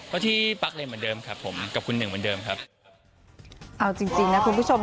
เพราะที่ปั๊กเรียนเหมือนเดิมครับผม